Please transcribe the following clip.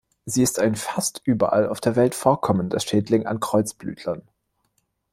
Sie ist ein fast überall auf der Welt vorkommender Schädling an Kreuzblütlern.